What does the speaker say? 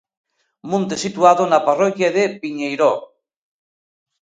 Monte situado na parroquia de Piñeiró.